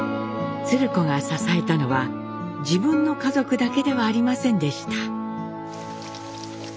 鶴子が支えたのは自分の家族だけではありませんでした。